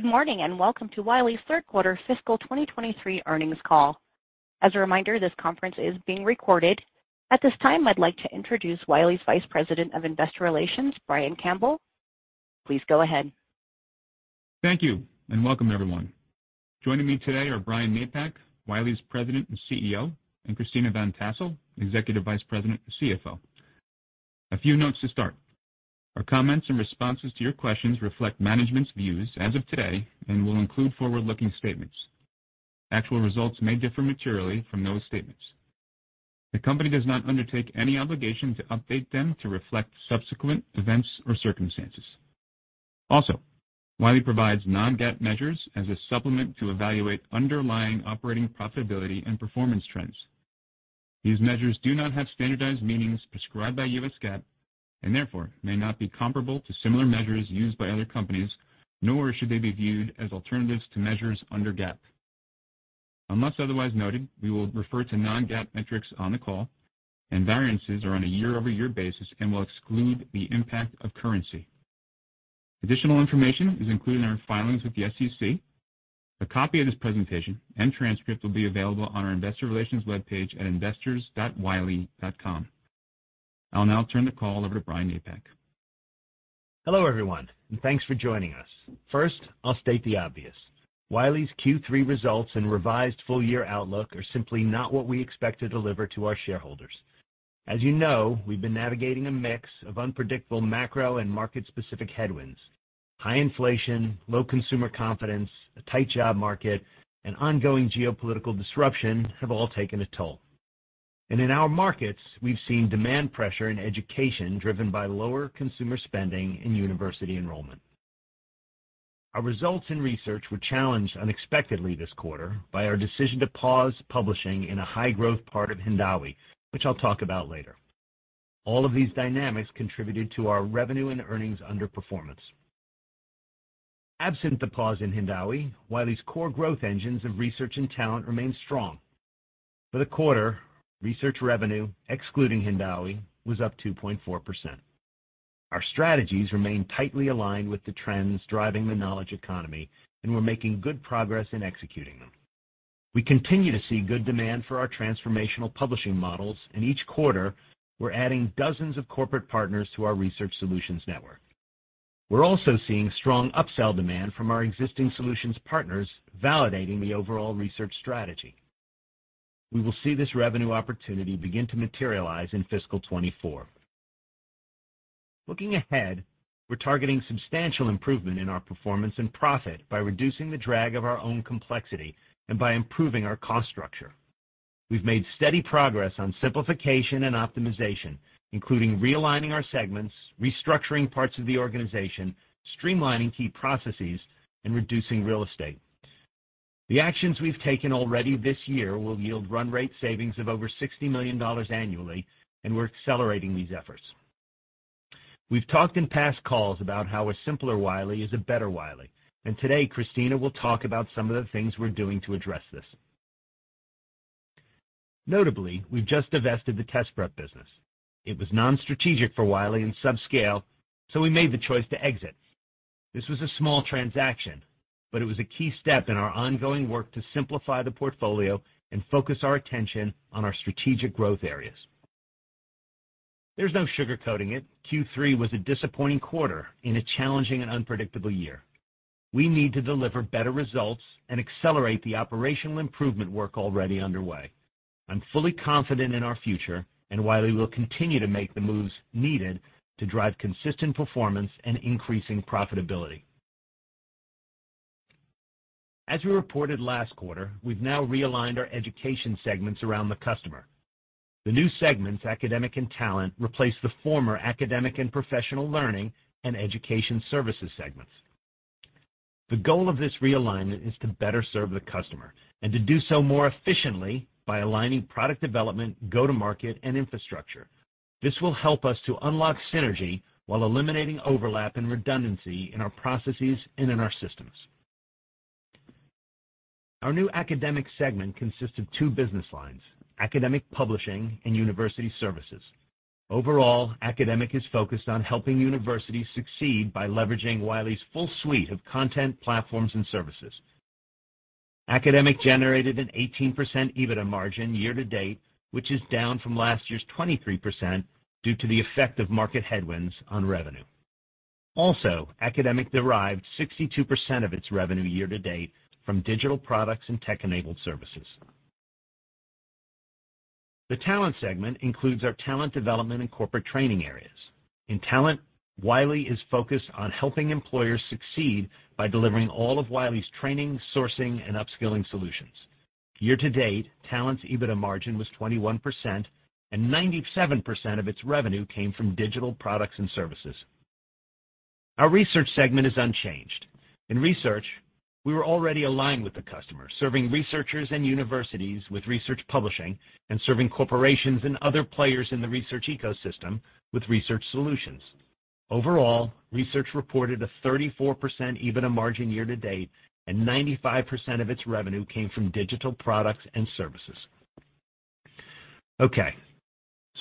Good morning. Welcome to Wiley's Third Quarter Fiscal 2023 Earnings Call. As a reminder, this conference is being recorded. At this time, I'd like to introduce Wiley's Vice President of Investor Relations, Brian Campbell. Please go ahead. Thank you, welcome, everyone. Joining me today are Brian Napack, Wiley's President and CEO, Christina Van Tassell, Executive Vice President and CFO. A few notes to start. Our comments and responses to your questions reflect management's views as of today and will include forward-looking statements. Actual results may differ materially from those statements. The company does not undertake any obligation to update them to reflect subsequent events or circumstances. Wiley provides non-GAAP measures as a supplement to evaluate underlying operating profitability and performance trends. These measures do not have standardized meanings prescribed by U.S. GAAP and therefore may not be comparable to similar measures used by other companies, nor should they be viewed as alternatives to measures under GAAP. Unless otherwise noted, we will refer to non-GAAP metrics on the call, variances are on a year-over-year basis and will exclude the impact of currency. Additional information is included in our filings with the SEC. A copy of this presentation and transcript will be available on our investor relations webpage at investors.wiley.com. I'll now turn the call over to Brian Napack. Hello, everyone, and thanks for joining us. First, I'll state the obvious. Wiley's Q3 results and revised full-year outlook are simply not what we expect to deliver to our shareholders. As you know, we've been navigating a mix of unpredictable macro and market-specific headwinds. High inflation, low consumer confidence, a tight job market, and ongoing geopolitical disruption have all taken a toll. In our markets, we've seen demand pressure in education driven by lower consumer spending and university enrollment. Our results in research were challenged unexpectedly this quarter by our decision to pause publishing in a high-growth part of Hindawi, which I'll talk about later. All of these dynamics contributed to our revenue and earnings underperformance. Absent the pause in Hindawi, Wiley's core growth engines of research and talent remain strong. For the quarter, research revenue, excluding Hindawi, was up 2.4%. Our strategies remain tightly aligned with the trends driving the knowledge economy, and we're making good progress in executing them. We continue to see good demand for our transformational publishing models, and each quarter, we're adding dozens of corporate partners to our Research Solutions network. We're also seeing strong upsell demand from our existing solutions partners, validating the overall research strategy. We will see this revenue opportunity begin to materialize in fiscal 2024. Looking ahead, we're targeting substantial improvement in our performance and profit by reducing the drag of our own complexity and by improving our cost structure. We've made steady progress on simplification and optimization, including realigning our segments, restructuring parts of the organization, streamlining key processes, and reducing real estate. The actions we've taken already this year will yield run rate savings of over $60 million annually, and we're accelerating these efforts. We've talked in past calls about how a simpler Wiley is a better Wiley. Today Christina will talk about some of the things we're doing to address this. Notably, we've just divested the Test Prep business. It was non-strategic for Wiley and subscale. We made the choice to exit. This was a small transaction, it was a key step in our ongoing work to simplify the portfolio and focus our attention on our strategic growth areas. There's no sugarcoating it. Q3 was a disappointing quarter in a challenging and unpredictable year. We need to deliver better results and accelerate the operational improvement work already underway. I'm fully confident in our future. Wiley will continue to make the moves needed to drive consistent performance and increasing profitability. As we reported last quarter, we've now realigned our education segments around the customer. The new segments, Academic and Talent, replace the former Academic and Professional Learning and Education Services segments. The goal of this realignment is to better serve the customer and to do so more efficiently by aligning product development, go-to-market, and infrastructure. This will help us to unlock synergy while eliminating overlap and redundancy in our processes and in our systems. Our new Academic segment consists of two business lines: Academic Publishing and University Services. Overall, Academic is focused on helping universities succeed by leveraging Wiley's full suite of content, platforms, and services. Academic generated an 18% EBITDA margin year to date, which is down from last year's 23% due to the effect of market headwinds on revenue. Also, Academic derived 62% of its revenue year to date from digital products and tech-enabled services. The Talent segment includes our talent development and corporate training areas. In Talent, Wiley is focused on helping employers succeed by delivering all of Wiley's training, sourcing, and upskilling solutions. Year-to-date, Talent's EBITDA margin was 21% and 97% of its revenue came from digital products and services. Our Research segment is unchanged. In Research, we were already aligned with the customer, serving researchers and universities with research publishing and serving corporations and other players in the research ecosystem with Research Solutions. Overall, Research reported a 34% EBITDA margin year to date, and 95% of its revenue came from digital products and services.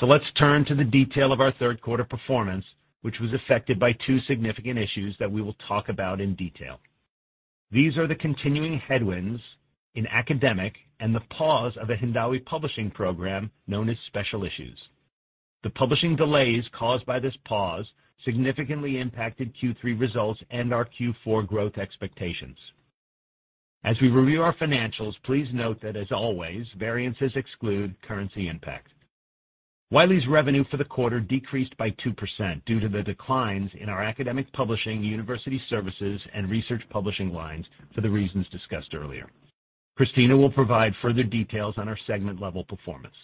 Let's turn to the detail of our third quarter performance, which was affected by two significant issues that we will talk about in detail. These are the continuing headwinds in Academic and the pause of a Hindawi publishing program known as Special Issues. The publishing delays caused by this pause significantly impacted Q3 results and our Q4 growth expectations. As we review our financials, please note that, as always, variances exclude currency impact. Wiley's revenue for the quarter decreased by 2% due to the declines in our Academic Publishing, University Services, and research publishing lines for the reasons discussed earlier. Christina will provide further details on our segment-level performance.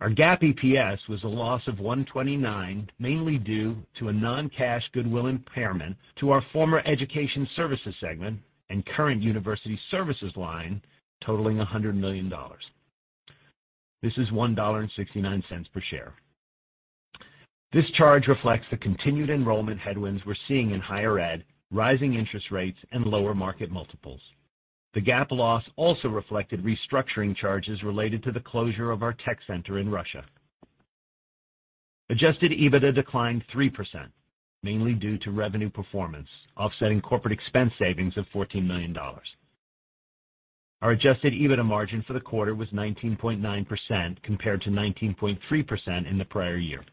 Our GAAP EPS was a loss of $1.29, mainly due to a non-cash goodwill impairment to our former Education Services segment and current University Services line, totaling $100 million. This is $1.69 per share. This charge reflects the continued enrollment headwinds we're seeing in higher ed, rising interest rates, and lower market multiples. The GAAP loss also reflected restructuring charges related to the closure of our tech center in Russia. Adjusted EBITDA declined 3%, mainly due to revenue performance, offsetting corporate expense savings of $14 million. Our Adjusted EBITDA margin for the quarter was 19.9% compared to 19.3% in the prior year.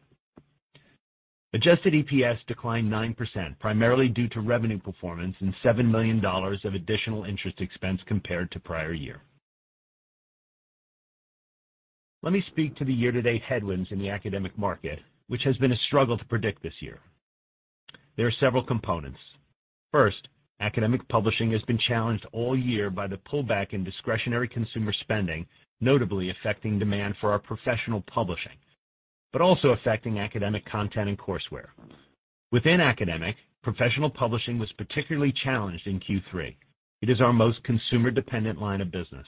Adjusted EPS declined 9%, primarily due to revenue performance and $7 million of additional interest expense compared to prior year. Let me speak to the year-to-date headwinds in the academic market, which has been a struggle to predict this year. There are several components. First, Academic Publishing has been challenged all year by the pullback in discretionary consumer spending, notably affecting demand for our professional publishing, but also affecting academic content and courseware. Within academic, professional publishing was particularly challenged in Q3. It is our most consumer-dependent line of business.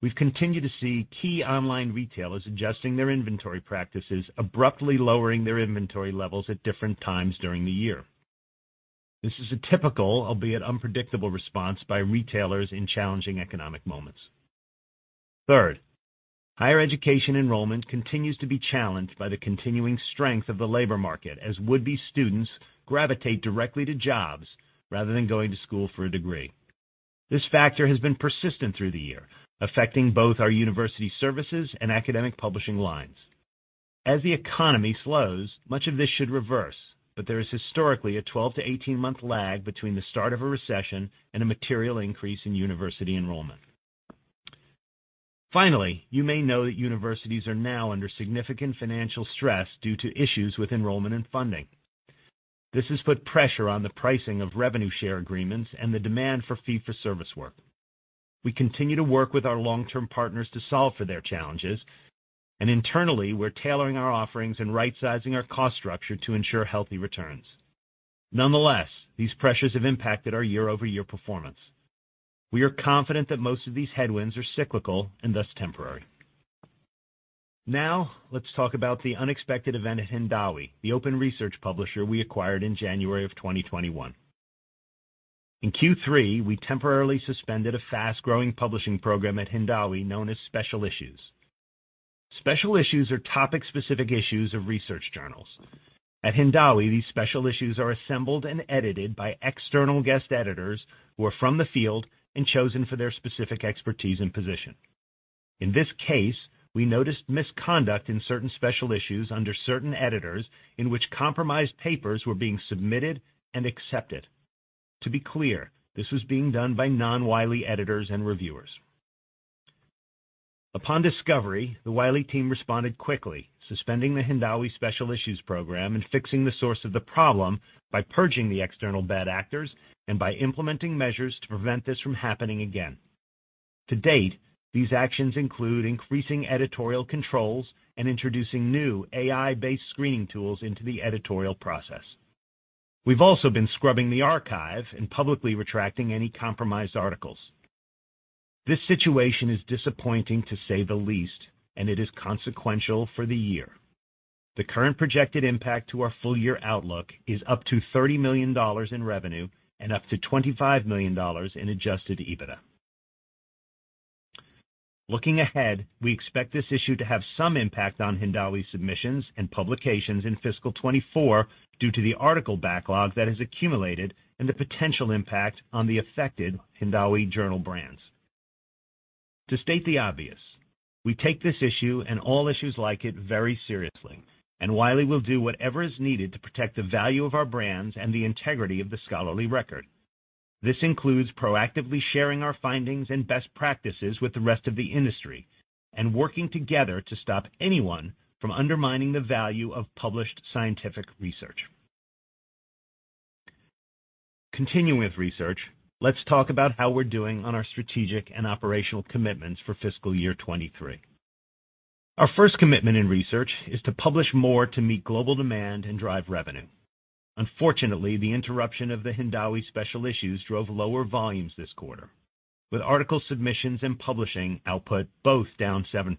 We've continued to see key online retailers adjusting their inventory practices, abruptly lowering their inventory levels at different times during the year. This is a typical, albeit unpredictable, response by retailers in challenging economic moments. Higher education enrollment continues to be challenged by the continuing strength of the labor market as would-be students gravitate directly to jobs rather than going to school for a degree. This factor has been persistent through the year, affecting both our University Services and Academic Publishing lines. As the economy slows, much of this should reverse, but there is historically a 12-18 month lag between the start of a recession and a material increase in university enrollment. You may know that universities are now under significant financial stress due to issues with enrollment and funding. This has put pressure on the pricing of revenue share agreements and the demand for fee-for-service work. We continue to work with our long-term partners to solve for their challenges. Internally, we're tailoring our offerings and rightsizing our cost structure to ensure healthy returns. Nonetheless, these pressures have impacted our year-over-year performance. We are confident that most of these headwinds are cyclical and thus temporary. Let's talk about the unexpected event at Hindawi, the open research publisher we acquired in January 2021. In Q3, we temporarily suspended a fast-growing publishing program at Hindawi known as Special Issues. Special Issues are topic-specific issues of research journals. At Hindawi, these Special Issues are assembled and edited by external guest editors who are from the field and chosen for their specific expertise and position. In this case, we noticed misconduct in certain Special Issues under certain editors in which compromised papers were being submitted and accepted. To be clear, this was being done by non-Wiley editors and reviewers. Upon discovery, the Wiley team responded quickly, suspending the Hindawi Special Issues program and fixing the source of the problem by purging the external bad actors and by implementing measures to prevent this from happening again. To date, these actions include increasing editorial controls and introducing new AI-based screening tools into the editorial process. We've also been scrubbing the archive and publicly retracting any compromised articles. This situation is disappointing to say the least, and it is consequential for the year. The current projected impact to our full-year outlook is up to $30 million in revenue and up to $25 million in Adjusted EBITDA. Looking ahead, we expect this issue to have some impact on Hindawi submissions and publications in fiscal 2024 due to the article backlog that has accumulated and the potential impact on the affected Hindawi Journal brands. To state the obvious, we take this issue, and all issues like it, very seriously, and Wiley will do whatever is needed to protect the value of our brands and the integrity of the scholarly record. This includes proactively sharing our findings and best practices with the rest of the industry and working together to stop anyone from undermining the value of published scientific research. Continuing with research, let's talk about how we're doing on our strategic and operational commitments for fiscal year 2023. Our first commitment in research is to publish more to meet global demand and drive revenue. Unfortunately, the interruption of the Hindawi Special Issues drove lower volumes this quarter, with article submissions and publishing output both down 7%.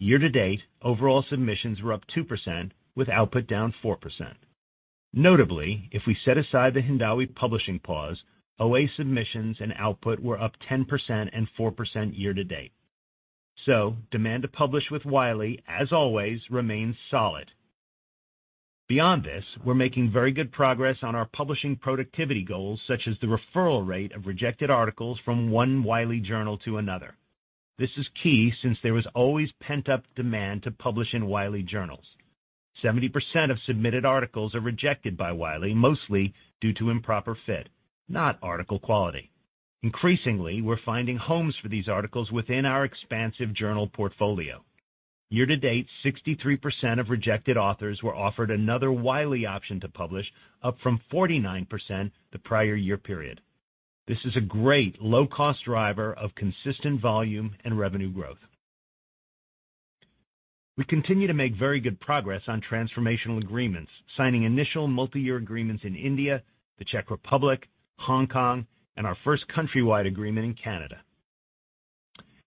Year-to-date, overall submissions were up 2% with output down 4%. Notably, if we set aside the Hindawi publishing pause, OA submissions and output were up 10% and 4% year-to-date. Demand to publish with Wiley, as always, remains solid. Beyond this, we're making very good progress on our publishing productivity goals, such as the referral rate of rejected articles from one Wiley journal to another. This is key since there is always pent-up demand to publish in Wiley journals. 70% of submitted articles are rejected by Wiley, mostly due to improper fit, not article quality. Increasingly, we're finding homes for these articles within our expansive journal portfolio. Year-to-date, 63% of rejected authors were offered another Wiley option to publish, up from 49% the prior year period. This is a great low-cost driver of consistent volume and revenue growth. We continue to make very good progress on transformational agreements, signing initial multi-year agreements in India, the Czech Republic, Hong Kong, and our first countrywide agreement in Canada.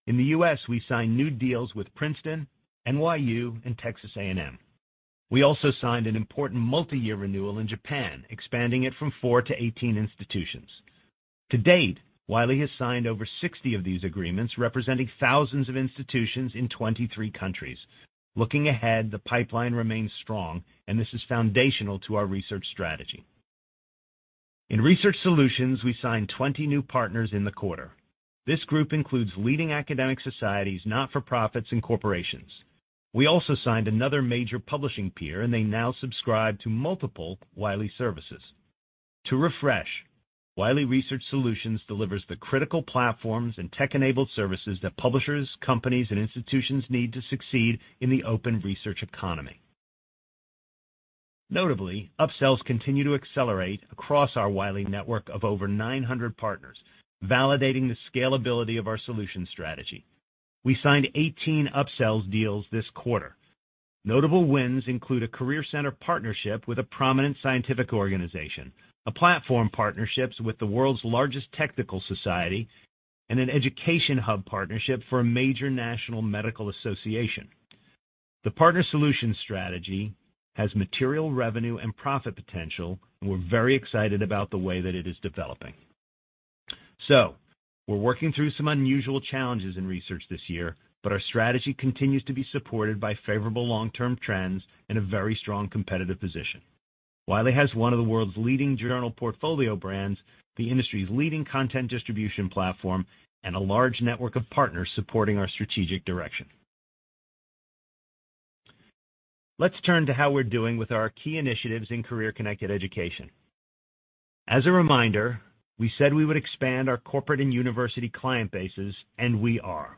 In the U.S., we signed new deals with Princeton, NYU, and Texas A&M. We also signed an important multi-year renewal in Japan, expanding it from four to 18 institutions. To date, Wiley has signed over 60 of these agreements, representing thousands of institutions in 23 countries. Looking ahead, the pipeline remains strong, this is foundational to our research strategy. In Research Solutions, we signed 20 new partners in the quarter. This group includes leading academic societies, not-for-profits, and corporations. We also signed another major publishing peer, and they now subscribe to multiple Wiley services. To refresh, Wiley Research Solutions delivers the critical platforms and tech-enabled services that publishers, companies, and institutions need to succeed in the open research economy. Notably, upsells continue to accelerate across our Wiley network of over 900 partners, validating the scalability of our solution strategy. We signed 18 upsells deals this quarter. Notable wins include a career center partnership with a prominent scientific organization, a platform partnerships with the world's largest technical society, and an education hub partnership for a major national medical association. The partner solutions strategy has material revenue and profit potential. We're very excited about the way that it is developing. We're working through some unusual challenges in research this year, but our strategy continues to be supported by favorable long-term trends and a very strong competitive position. Wiley has one of the world's leading journal portfolio brands, the industry's leading content distribution platform, and a large network of partners supporting our strategic direction. Let's turn to how we're doing with our key initiatives in career-connected education. As a reminder, we said we would expand our corporate and university client bases, and we are.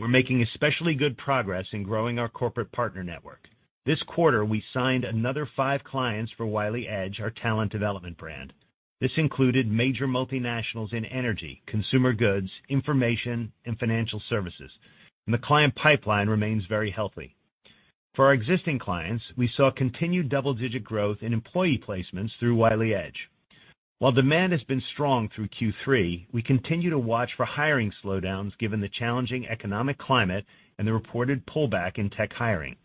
We're making especially good progress in growing our corporate partner network. This quarter, we signed another five clients for Wiley Edge, our talent development brand. This included major multinationals in energy, consumer goods, information, and financial services, and the client pipeline remains very healthy. For our existing clients, we saw continued double-digit growth in employee placements through Wiley Edge. While demand has been strong through Q3, we continue to watch for hiring slowdowns given the challenging economic climate and the reported pullback in tech hiring.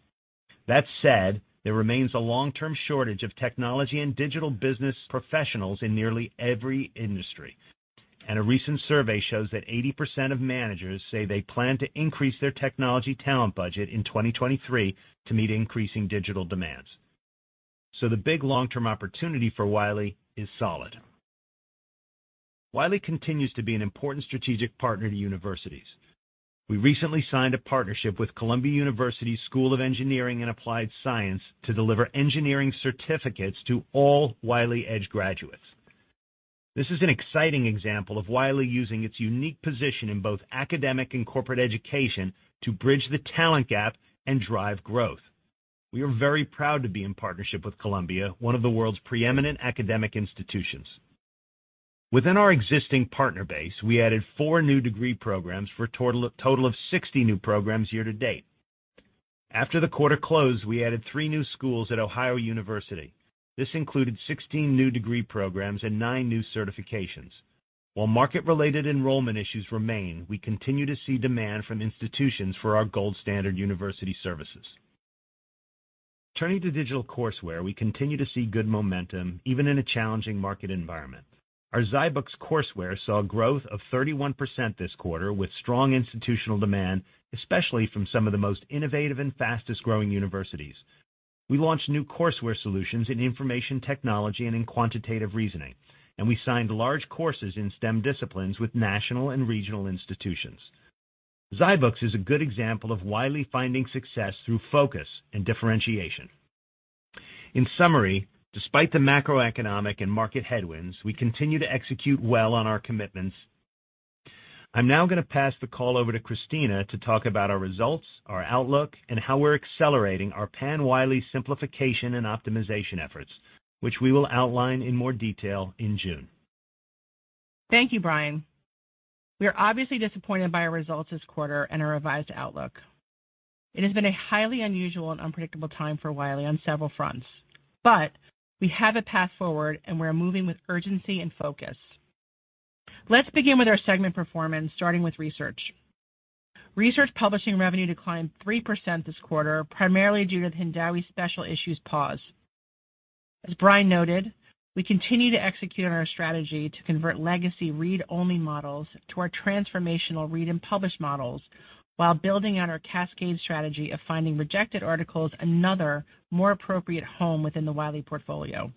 That said, there remains a long-term shortage of technology and digital business professionals in nearly every industry. A recent survey shows that 80% of managers say they plan to increase their technology talent budget in 2023 to meet increasing digital demands. The big long-term opportunity for Wiley is solid. Wiley continues to be an important strategic partner to universities. We recently signed a partnership with Columbia University's School of Engineering and Applied Science to deliver engineering certificates to all Wiley Edge graduates. This is an exciting example of Wiley using its unique position in both academic and corporate education to bridge the talent gap and drive growth. We are very proud to be in partnership with Columbia, one of the world's preeminent academic institutions. Within our existing partner base, we added four new degree programs for a total of 60 new programs year to date. After the quarter closed, we added three new schools at Ohio University. This included 16 new degree programs and nine new certifications. While market-related enrollment issues remain, we continue to see demand from institutions for our gold standard University Services. Turning to digital courseware, we continue to see good momentum even in a challenging market environment. Our zyBooks courseware saw growth of 31% this quarter with strong institutional demand, especially from some of the most innovative and fastest-growing universities. We launched new courseware solutions in information technology and in quantitative reasoning, and we signed large courses in STEM disciplines with national and regional institutions. ZyBooks is a good example of Wiley finding success through focus and differentiation. In summary, despite the macroeconomic and market headwinds, we continue to execute well on our commitments. I'm now gonna pass the call over to Christina to talk about our results, our outlook, and how we're accelerating our pan-Wiley simplification and optimization efforts, which we will outline in more detail in June. Thank you, Brian. We are obviously disappointed by our results this quarter and our revised outlook. It has been a highly unusual and unpredictable time for Wiley on several fronts, but we have a path forward, and we are moving with urgency and focus. Let's begin with our segment performance, starting with Research. Research publishing revenue declined 3% this quarter, primarily due to the Hindawi Special Issues pause. As Brian noted, we continue to execute on our strategy to convert legacy read-only models to our transformational read and publish models, while building out our cascade strategy of finding rejected articles, another more appropriate home within the Wiley portfolio.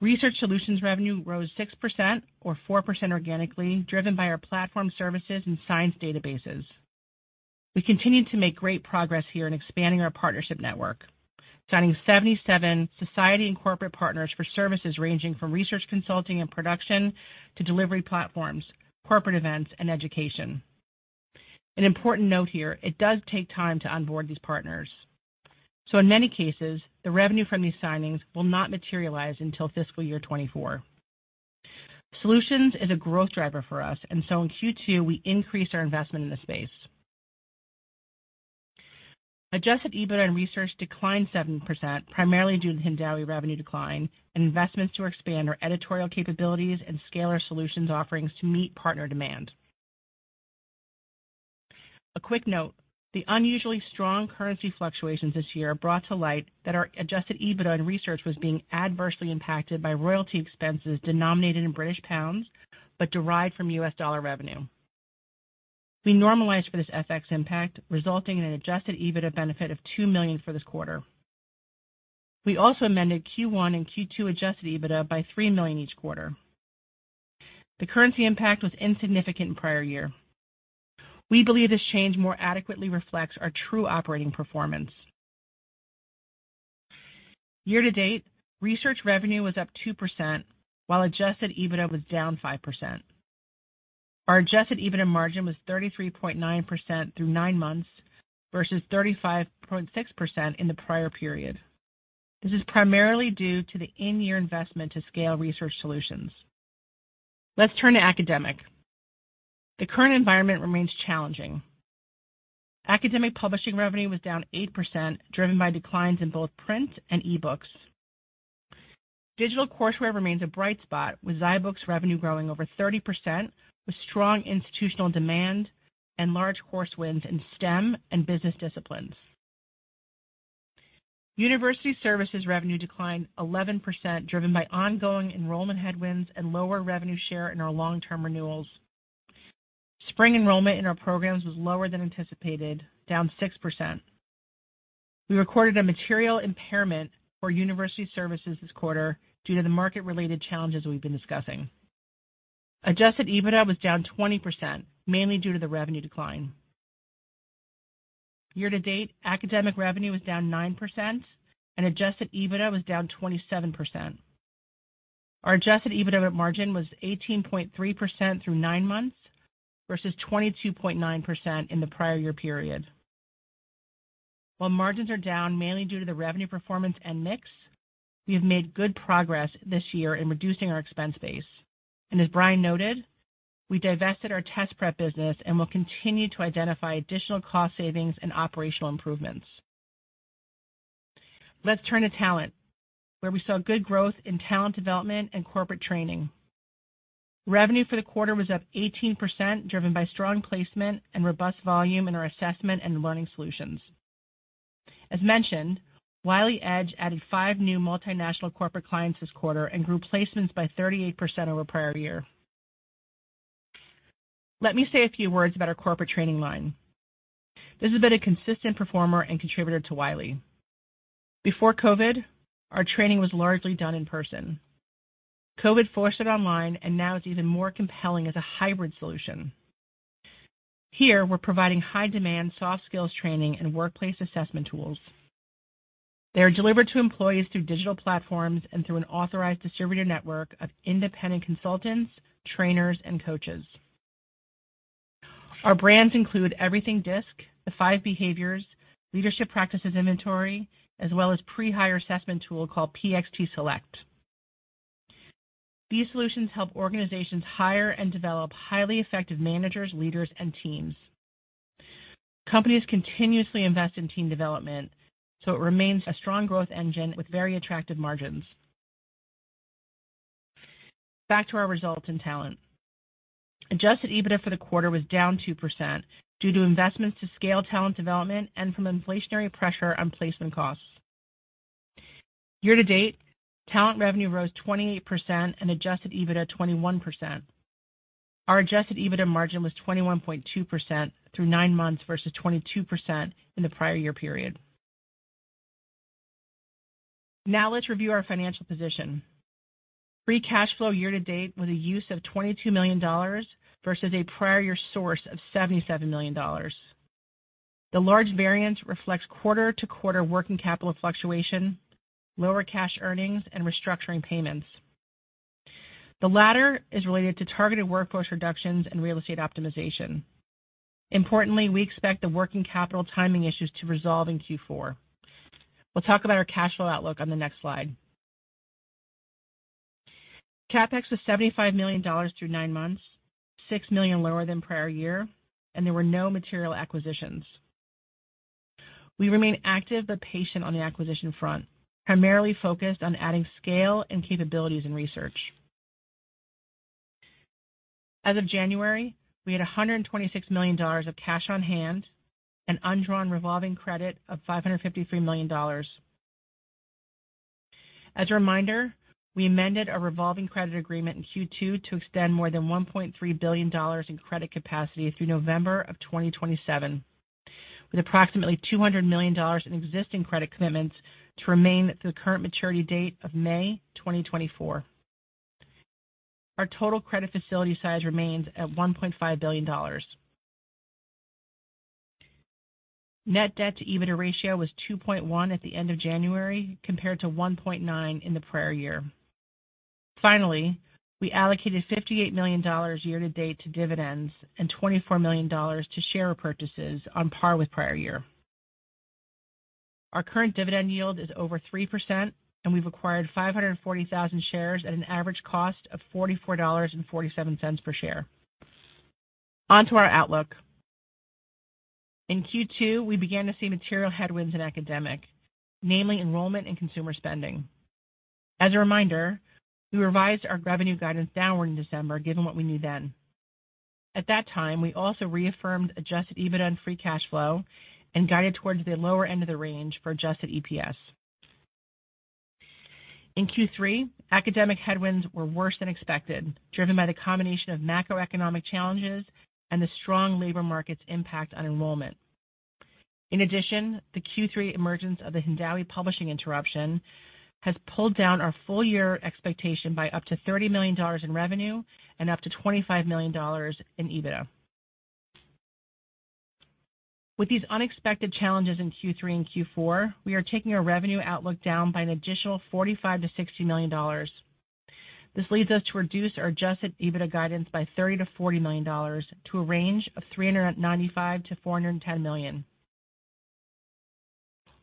Research Solutions revenue rose 6% or 4% organically, driven by our platform services and science databases. We continued to make great progress here in expanding our partnership network, signing 77 society and corporate partners for services ranging from research, consulting and production to delivery platforms, corporate events, and education. An important note here, it does take time to onboard these partners, so in many cases the revenue from these signings will not materialize until fiscal year 2024. Solutions is a growth driver for us. In Q2, we increased our investment in the space. Adjusted EBITDA and Research declined 7% primarily due to the Hindawi revenue decline and investments to expand our editorial capabilities and scale our Solutions offerings to meet partner demand. A quick note, the unusually strong currency fluctuations this year brought to light that our Adjusted EBITDA and Research was being adversely impacted by royalty expenses denominated in British pounds, but derived from U.S. dollar revenue. We normalized for this FX impact, resulting in an Adjusted EBITDA benefit of $2 million for this quarter. We also amended Q1 and Q2 Adjusted EBITDA by $3 million each quarter. The currency impact was insignificant in prior year. We believe this change more adequately reflects our true operating performance. Year to date, research revenue was up 2%, while Adjusted EBITDA was down 5%. Our Adjusted EBITDA margin was 33.9% through nine months versus 35.6% in the prior period. This is primarily due to the in-year investment to scale Research Solutions. Let's turn to Academic. The current environment remains challenging. Academic Publishing revenue was down 8%, driven by declines in both print and e-books. Digital courseware remains a bright spot, with zyBooks revenue growing over 30%, with strong institutional demand and large course wins in STEM and business disciplines. University Services revenue declined 11%, driven by ongoing enrollment headwinds and lower revenue share in our long-term renewals. Spring enrollment in our programs was lower than anticipated, down 6%. We recorded a material impairment for University Services this quarter due to the market-related challenges we've been discussing. Adjusted EBITDA was down 20%, mainly due to the revenue decline. Year to date, academic revenue was down 9% and Adjusted EBITDA was down 27%. Our Adjusted EBITDA margin was 18.3% through nine months, versus 22.9% in the prior year period. While margins are down, mainly due to the revenue performance and mix, we have made good progress this year in reducing our expense base. As Brian noted, we divested our Test Prep business and will continue to identify additional cost savings and operational improvements. Let's turn to talent, where we saw good growth in talent development and corporate training. Revenue for the quarter was up 18%, driven by strong placement and robust volume in our assessment and learning solutions. As mentioned, Wiley Edge added five new multinational corporate clients this quarter and grew placements by 38% over prior year. Let me say a few words about our corporate training line. This has been a consistent performer and contributor to Wiley. Before COVID, our training was largely done in person. COVID forced it online and now it's even more compelling as a hybrid solution. Here, we're providing high-demand soft skills training and workplace assessment tools. They are delivered to employees through digital platforms and through an authorized distributor network of independent consultants, trainers, and coaches. Our brands include Everything DiSC, The Five Behaviors, Leadership Practices Inventory, as well as pre-hire assessment tool called PXT Select. These solutions help organizations hire and develop highly effective managers, leaders, and teams. Companies continuously invest in team development, so it remains a strong growth engine with very attractive margins. Back to our results in talent. Adjusted EBITDA for the quarter was down 2% due to investments to scale talent development and from inflationary pressure on placement costs. Year-to-date, talent revenue rose 28% and Adjusted EBITDA 21%. Our Adjusted EBITDA margin was 21.2% through nine months, versus 22% in the prior year period. Now let's review our financial position. Free cash flow year-to-date, with a use of $22 million versus a prior year source of $77 million. The large variance reflects quarter-to-quarter working capital fluctuation, lower cash earnings, and restructuring payments. The latter is related to targeted workforce reductions and real estate optimization. Importantly, we expect the working capital timing issues to resolve in Q4. We'll talk about our cash flow outlook on the next slide. CapEx was $75 million through nine months, $6 million lower than prior year, and there were no material acquisitions. We remain active but patient on the acquisition front, primarily focused on adding scale and capabilities in research. As of January, we had $126 million of cash on hand and undrawn revolving credit of $553 million. As a reminder, we amended our revolving credit agreement in Q2 to extend more than $1.3 billion in credit capacity through November 2027, with approximately $200 million in existing credit commitments to remain at the current maturity date of May 2024. Our total credit facility size remains at $1.5 billion. Net debt to EBITDA ratio was 2.1x at the end of January, compared to 1.9x in the prior year. We allocated $58 million year to date to dividends and $24 million to share repurchases on par with prior year. Our current dividend yield is over 3%, and we've acquired 540,000 shares at an average cost of $44.47 per share. On to our outlook. In Q2, we began to see material headwinds in Academic, namely enrollment and consumer spending. As a reminder, we revised our revenue guidance downward in December given what we knew then. At that time, we also reaffirmed Adjusted EBITDA and free cash flow and guided towards the lower end of the range for Adjusted EPS. In Q3, Academic headwinds were worse than expected, driven by the combination of macroeconomic challenges and the strong labor market's impact on enrollment. In addition, the Q3 emergence of the Hindawi publishing interruption has pulled down our full year expectation by up to $30 million in revenue and up to $25 million in EBITDA. With these unexpected challenges in Q3 and Q4, we are taking our revenue outlook down by an additional $45 million-$60 million. This leads us to reduce our Adjusted EBITDA guidance by $30 million-$40 million to a range of $395 million-$410 million.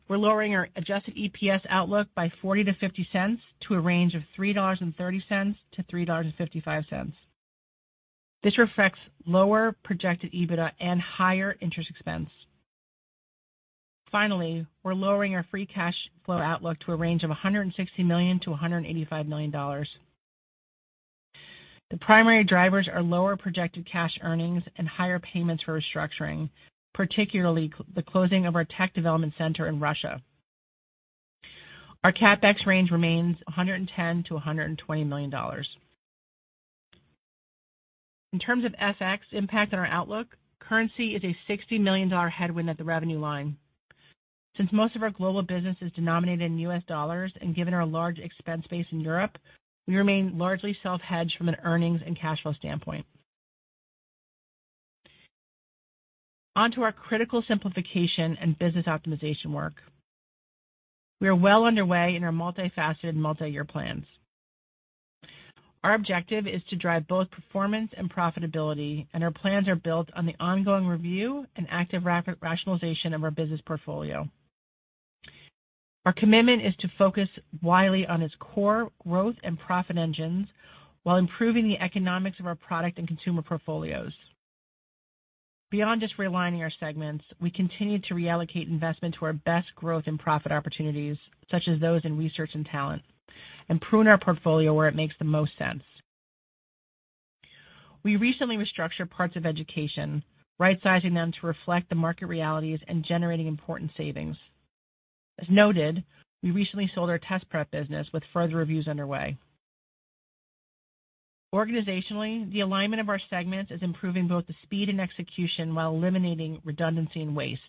We're lowering our Adjusted EPS outlook by $0.40-$0.50 to a range of $3.30-$3.55. This reflects lower projected EBITDA and higher interest expense. Finally, we're lowering our free cash flow outlook to a range of $160 million-$185 million. The primary drivers are lower projected cash earnings and higher payments for restructuring, particularly the closing of our tech development center in Russia. Our CapEx range remains $110 million-$120 million. In terms of FX impact on our outlook, currency is a $60 million headwind at the revenue line. Since most of our global business is denominated in U.S. dollars and given our large expense base in Europe, we remain largely self-hedged from an earnings and cash flow standpoint. On to our critical simplification and business optimization work. We are well underway in our multifaceted, multi-year plans. Our objective is to drive both performance and profitability, and our plans are built on the ongoing review and active rationalization of our business portfolio. Our commitment is to focus Wiley on its core growth and profit engines while improving the economics of our product and consumer portfolios. Beyond just realigning our segments, we continue to reallocate investment to our best growth and profit opportunities, such as those in research and talent, and prune our portfolio where it makes the most sense. We recently restructured parts of education, rightsizing them to reflect the market realities and generating important savings. As noted, we recently sold our Test Prep business with further reviews underway. Organizationally, the alignment of our segments is improving both the speed and execution while eliminating redundancy and waste.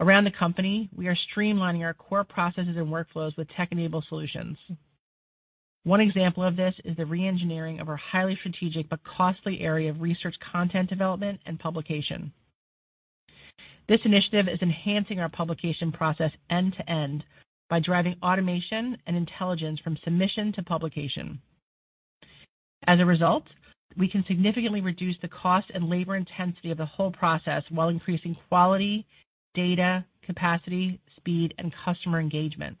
Around the company, we are streamlining our core processes and workflows with tech-enabled solutions. One example of this is the reengineering of our highly strategic but costly area of research content development and publication. This initiative is enhancing our publication process end to end by driving automation and intelligence from submission to publication. As a result, we can significantly reduce the cost and labor intensity of the whole process while increasing quality, data, capacity, speed, and customer engagement.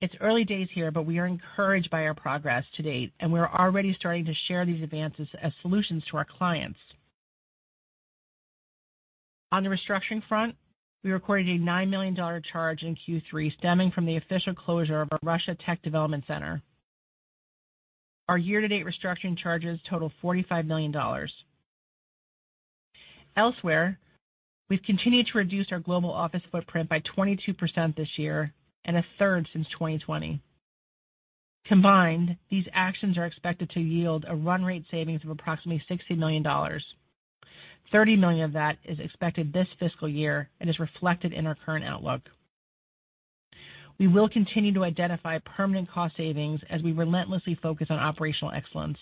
It's early days here, but we are encouraged by our progress to date, and we are already starting to share these advances as solutions to our clients. On the restructuring front, we recorded a $9 million charge in Q3 stemming from the official closure of our Russia Tech Development Center. Our year-to-date restructuring charges total $45 million. Elsewhere, we've continued to reduce our global office footprint by 22% this year and 1/3 since 2020. Combined, these actions are expected to yield a run rate savings of approximately $60 million. $30 million of that is expected this fiscal year and is reflected in our current outlook. We will continue to identify permanent cost savings as we relentlessly focus on operational excellence.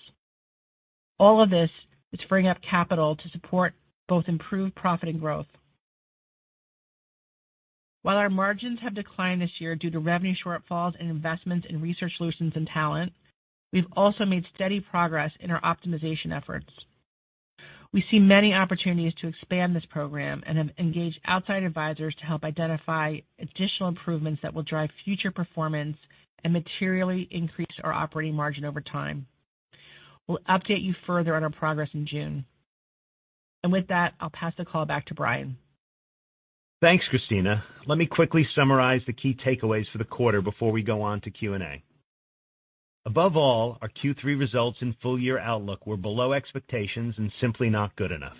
All of this is freeing up capital to support both improved profit and growth. While our margins have declined this year due to revenue shortfalls and investments in Research Solutions and Talent, we've also made steady progress in our optimization efforts. We see many opportunities to expand this program and have engaged outside advisors to help identify additional improvements that will drive future performance and materially increase our operating margin over time. We'll update you further on our progress in June. With that, I'll pass the call back to Brian. Thanks, Christina. Let me quickly summarize the key takeaways for the quarter before we go on to Q&A. Above all, our Q3 results and full year outlook were below expectations and simply not good enough.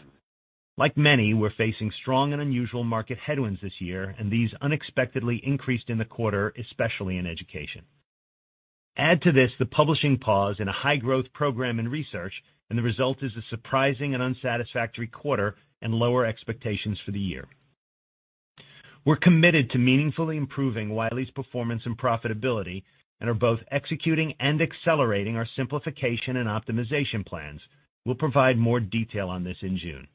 Like many, we're facing strong and unusual market headwinds this year, and these unexpectedly increased in the quarter, especially in education. Add to this the publishing pause in a high-growth program in research, and the result is a surprising and unsatisfactory quarter and lower expectations for the year. We're committed to meaningfully improving Wiley's performance and profitability and are both executing and accelerating our simplification and optimization plans. We'll provide more detail on this in June.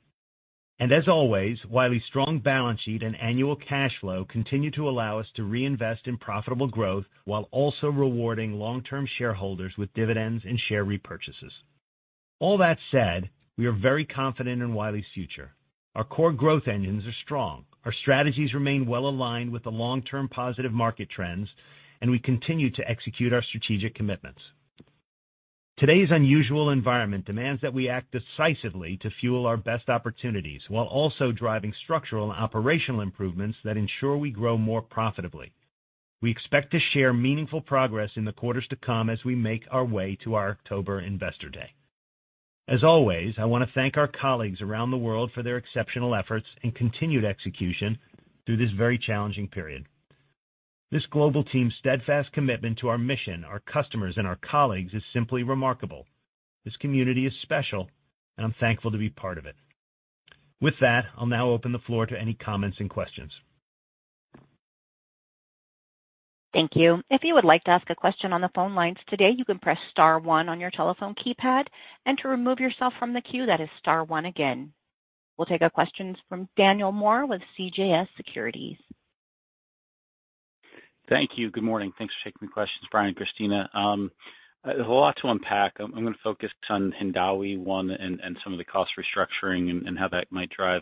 As always, Wiley's strong balance sheet and annual cash flow continue to allow us to reinvest in profitable growth while also rewarding long-term shareholders with dividends and share repurchases. All that said, we are very confident in Wiley's future. Our core growth engines are strong. Our strategies remain well aligned with the long-term positive market trends, and we continue to execute our strategic commitments. Today's unusual environment demands that we act decisively to fuel our best opportunities while also driving structural and operational improvements that ensure we grow more profitably. We expect to share meaningful progress in the quarters to come as we make our way to our October investor day. As always, I want to thank our colleagues around the world for their exceptional efforts and continued execution through this very challenging period. This global team's steadfast commitment to our mission, our customers, and our colleagues is simply remarkable. This community is special, and I'm thankful to be part of it. With that, I'll now open the floor to any comments and questions. Thank you. If you would like to ask a question on the phone lines today, you can press star one on your telephone keypad. To remove yourself from the queue, that is star one again. We'll take our questions from Daniel Moore with CJS Securities. Thank you. Good morning. Thanks for taking the questions, Brian, Christina. There's a lot to unpack. I'm gonna focus on Hindawi, one, and some of the cost restructuring and how that might drive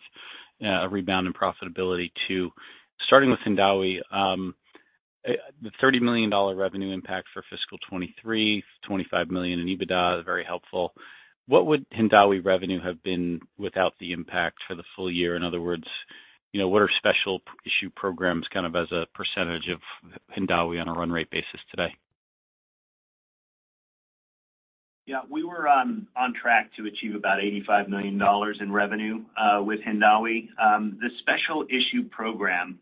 a rebound in profitability too. Starting with Hindawi, the $30 million revenue impact for fiscal 2023, $25 million in EBITDA is very helpful. What would Hindawi revenue have been without the impact for the full year? In other words, you know, what are Special Issues programs kind of as a percentage of Hindawi on a run rate basis today? Yeah. We were on track to achieve about $85 million in revenue with Hindawi. The Special Issues program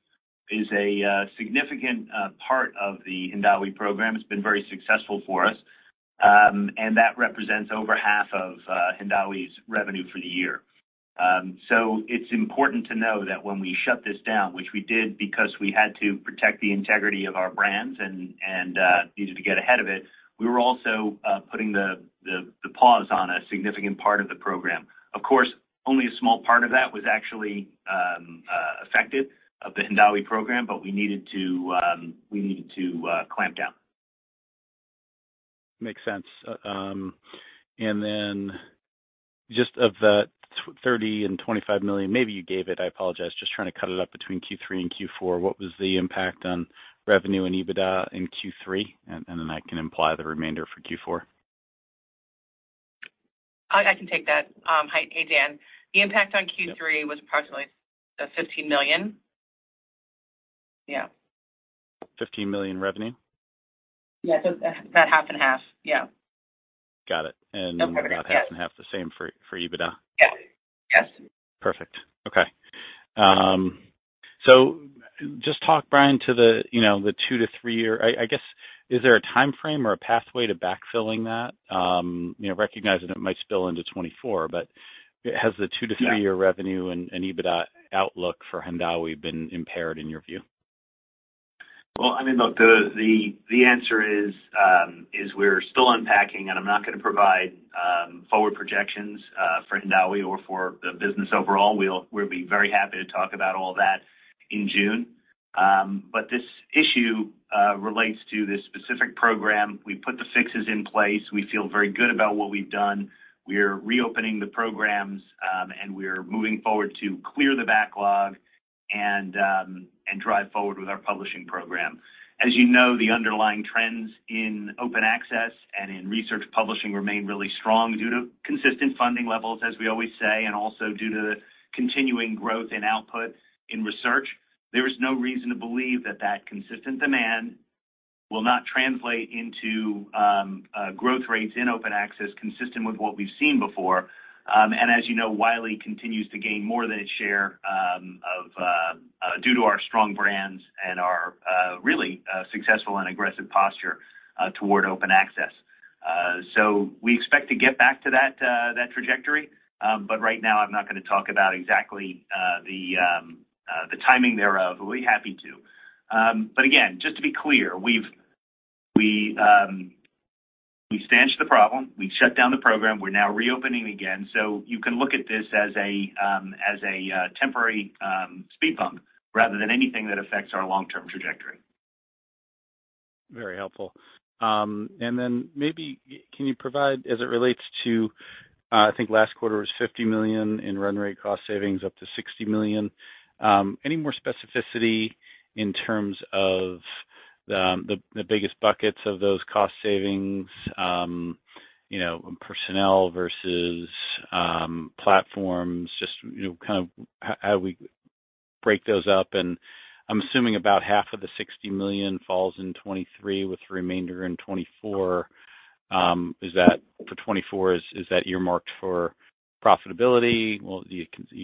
is a significant part of the Hindawi program. It's been very successful for us. That represents over half of Hindawi's revenue for the year. It's important to know that when we shut this down, which we did because we had to protect the integrity of our brands and needed to get ahead of it, we were also putting the pause on a significant part of the program. Of course, only a small part of that was actually affected of the Hindawi program, but we needed to clamp down. Makes sense. Then just of that $30 million and $25 million, maybe you gave it, I apologize. Just trying to cut it up between Q3 and Q4, what was the impact on revenue and EBITDA in Q3? Then I can imply the remainder for Q4. I can take that. Hi. Hey, Dan. The impact on Q3- Yep. Was approximately, $15 million. Yeah. $15 million revenue? Yeah. About 50/50. Yeah. Got it. No problem. Yes. About half and half the same for EBITDA? Yes. Yes. Perfect. Okay. Just talk, Brian, to the, you know, the two to three-year... I guess, is there a timeframe or a pathway to backfilling that? You know, recognizing it might spill into 2024, but has the two to three-year revenue and EBITDA outlook for Hindawi been impaired in your view? Well, I mean, look, the answer is, we're still unpacking, I'm not gonna provide forward projections for Hindawi or for the business overall. We'll be very happy to talk about all that in June. This issue relates to this specific program. We put the fixes in place. We feel very good about what we've done. We're reopening the programs, we're moving forward to clear the backlog and drive forward with our publishing program. As you know, the underlying trends in open access and in research publishing remain really strong due to consistent funding levels, as we always say, and also due to continuing growth in output in research. There is no reason to believe that consistent demand will not translate into growth rates in open access consistent with what we've seen before. As you know, Wiley continues to gain more than its share of due to our strong brands and our really successful and aggressive posture toward open access. We expect to get back to that trajectory. Right now, I'm not gonna talk about exactly the timing thereof. We'll be happy to. Again, just to be clear, We stanched the problem. We shut down the program. We're now reopening again. You can look at this as a temporary speed bump rather than anything that affects our long-term trajectory. Very helpful. Then maybe can you provide as it relates to, I think last quarter was $50 million in run rate cost savings, up to $60 million. Any more specificity in terms of the biggest buckets of those cost savings, you know, personnel versus platforms, just, you know, kind of how we break those up. I'm assuming about half of the $60 million falls in 2023, with the remainder in 2024. Is that for 2024, is that earmarked for profitability? Well, you can do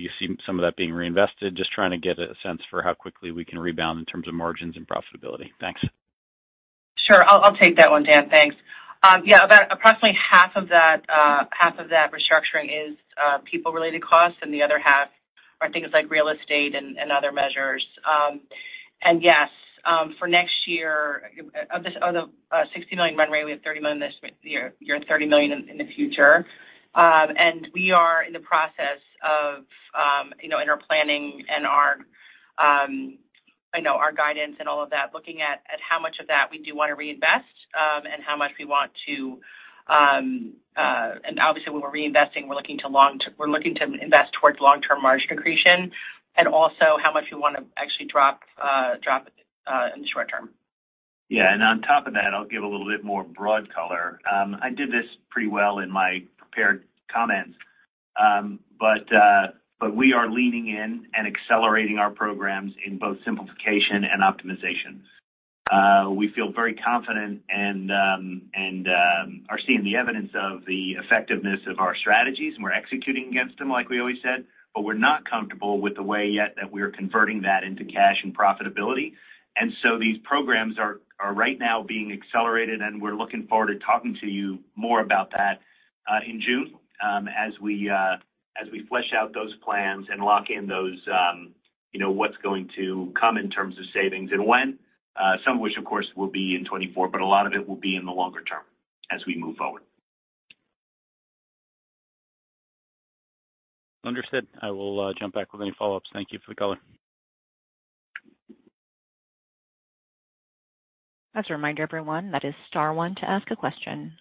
you see some of that being reinvested? Just trying to get a sense for how quickly we can rebound in terms of margins and profitability. Thanks. Sure. I'll take that one, Dan. Thanks. Yeah, about approximately half of that half of that restructuring is people related costs and the other half are things like real estate and other measures. And yes, for next year, of the $60 million run rate, we have $30 million this year and $30 million in the future. And we are in the process of, you know, in our planning and our guidance and all of that, looking at how much of that we do wanna reinvest and how much we want to. And obviously when we're reinvesting, we're looking to invest towards long-term margin accretion and also how much we wanna actually drop in the short term. Yeah. On top of that, I'll give a little bit more broad color. I did this pretty well in my prepared comments. We are leaning in and accelerating our programs in both simplification and optimization. We feel very confident and, are seeing the evidence of the effectiveness of our strategies, and we're executing against them like we always said, but we're not comfortable with the way yet that we're converting that into cash and profitability. These programs are right now being accelerated, and we're looking forward to talking to you more about that in June, as we flesh out those plans and lock in those, you know, what's going to come in terms of savings and when, some of which of course will be in 2024, but a lot of it will be in the longer term as we move forward. Understood. I will jump back with any follow-ups. Thank you for the color. As a reminder everyone, that is star one to ask a question.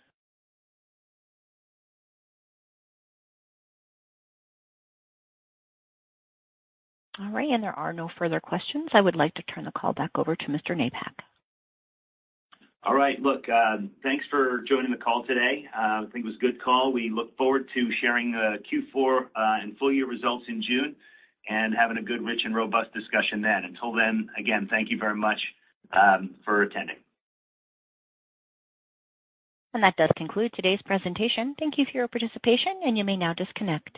All right, there are no further questions. I would like to turn the call back over to Mr. Napack. Look, thanks for joining the call today. I think it was a good call. We look forward to sharing Q4 and full year results in June and having a good, rich and robust discussion then. Until then, again, thank you very much for attending. That does conclude today's presentation. Thank you for your participation and you may now disconnect.